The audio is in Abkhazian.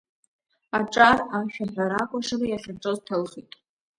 Аҿар ашәаҳәара-акәашара иахьаҿыз ҭылхит.